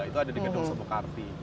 itu ada di gedung somekarvi